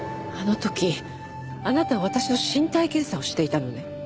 あの時あなたは私の身体検査をしていたのね？